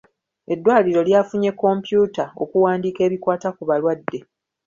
Eddwaliro lyafunye kompyuta okuwandiika ebikwata ku balwadde.